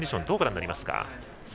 どうご覧になりますか。